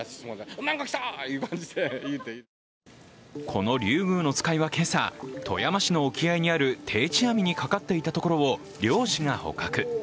このリュウグウノツカイは今朝、富山市の沖合にある定置網にかかっていたところを漁師が捕獲。